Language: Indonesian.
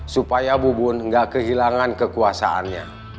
supaya bubun nggak kehilangan kekuasaannya